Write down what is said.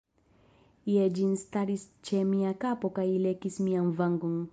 Jen ĝi staris ĉe mia kapo kaj lekis mian vangon.